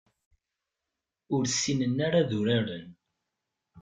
Ur ssinen ara ad uraren.